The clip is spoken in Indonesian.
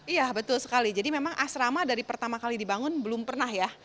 iya betul sekali jadi memang asrama dari pertama kali dibangun belum pernah ya